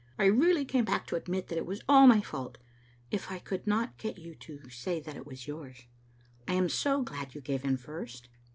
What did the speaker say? I really came back to admit that it was all my fault, if I could not get you to say that it was yours. I am so glad you gave in first."